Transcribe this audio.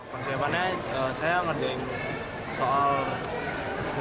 persiapannya saya ngerjain